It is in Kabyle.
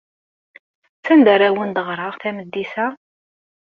Sanda ara awen-d-ɣreɣ tameddit-a?